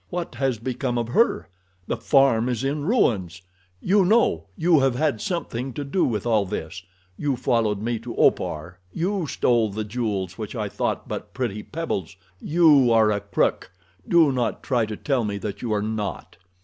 "What has become of her? The farm is in ruins. You know. You have had something to do with all this. You followed me to Opar, you stole the jewels which I thought but pretty pebbles. You are a crook! Do not try to tell me that you are not."